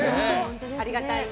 ありがたいね。